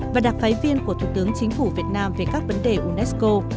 và đặc phái viên của thủ tướng chính phủ việt nam về các vấn đề unesco